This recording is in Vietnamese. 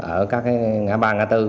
ở các ngã ba ngã bốn